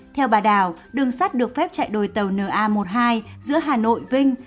theo bà đào đường sắt được phép chạy đổi tàu na một mươi hai giữa hà nội vinh